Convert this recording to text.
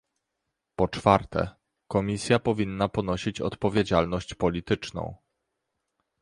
Po czwarte, Komisja powinna ponosić odpowiedzialność polityczną